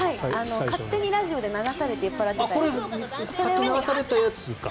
勝手にラジオで流されて酔っ払っちゃったやつです。